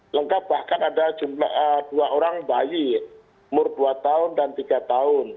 lengkap bahkan ada dua orang bayi umur dua tahun dan tiga tahun